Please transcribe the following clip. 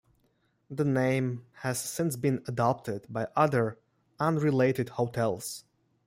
The name has since been adopted by other unrelated hotels.